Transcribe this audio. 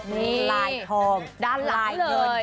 มีลายทองด้านหลังเลย